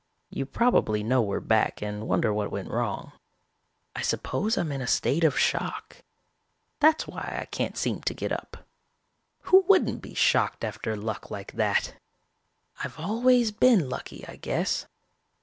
You probably know we're back and wonder what went wrong. "I suppose I'm in a state of shock. That's why I can't seem to get up. Who wouldn't be shocked after luck like that? "I've always been lucky, I guess.